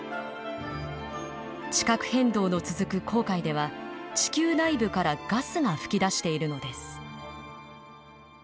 地殻変動の続く紅海では地球内部からガスが噴き出しているのです。